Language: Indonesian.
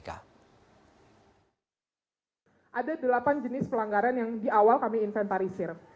kami mengadu jenis pelanggaran yang di awal kami inventarisir